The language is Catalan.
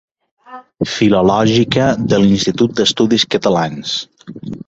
Filològica de l'Institut d'Estudis Catalans.